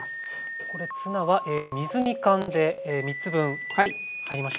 これツナは水煮缶で３つ分入りました。